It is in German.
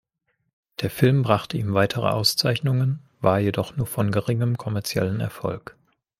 Der Film brachte ihm weitere Auszeichnungen, war jedoch nur von geringem kommerziellen Erfolg.